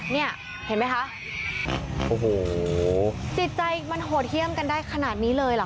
เนี่ยเห็นไหมคะโอ้โหจิตใจมันโหดเยี่ยมกันได้ขนาดนี้เลยเหรอ